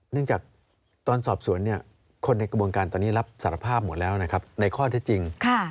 จากตอนสอบสวนคนในกระบวนการตอนนี้รับสารภาพหมดแล้วนะครับในข้อเท็จจริง